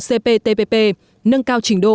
cptpp nâng cao trình độ